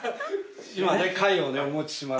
今貝をお持ちします。